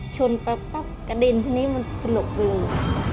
ชนปะป๊บกระเด็นทีนี้มันสลบลึง